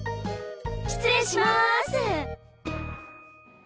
失礼します。